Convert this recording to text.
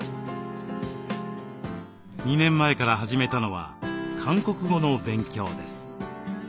２年前から始めたのは韓国語の勉強です。